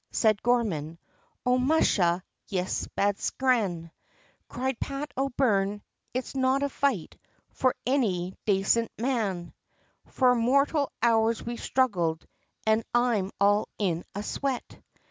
said Gorman, "O'Musha, yis bad scran" Cried Pat O'Byrne, "It's not a fight, for any dacent man, Four mortial hours we've struggled an' I'm all in a sweat!"